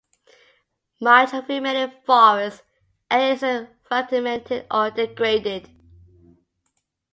Much of the remaining forest area is fragmented or degraded.